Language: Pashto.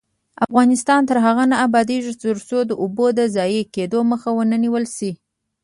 افغانستان تر هغو نه ابادیږي، ترڅو د اوبو د ضایع کیدو مخه ونیول نشي.